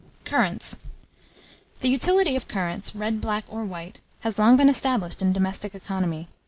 ] CURRANTS. The utility of currants, red, black, or white, has long been established in domestic economy.